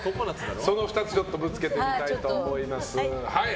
その２つぶつけてみたいと思います。